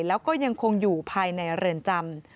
แล้วก็ยังคงอยู่ภายในเรือนจำ